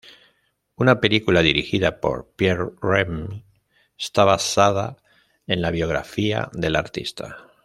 Una película dirigida por Pierre Remy está basada en la biografía de la artista.